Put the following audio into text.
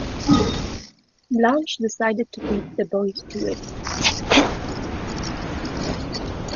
Blanche decided to beat the boys to it.